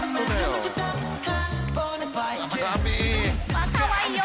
わあかわいいよ！